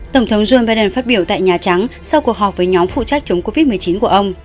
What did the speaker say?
tổng thống joe biden phát biểu tại nhà trắng sau cuộc họp với nhóm phụ trách chống covid một mươi chín của ông